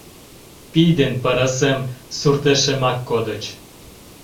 Пий ден пырысем суртешемак кодыч...